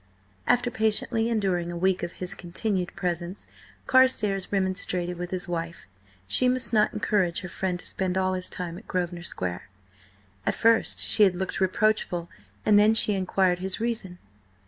After patiently enduring a week of his continued presence, Carstares remonstrated with his wife: she must not encourage her friend to spend all his time at Grosvenor Square. At first she had looked reproachful, and then she inquired his reason.